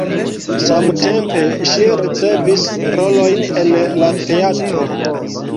Samtempe ŝi ricevis rolojn en la teatro.